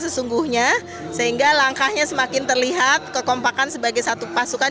sesungguhnya sehingga langkahnya semakin terlihat kekompakan sebagai satu pasukan